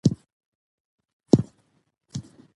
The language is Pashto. زه خلک نه خوابدي کوم.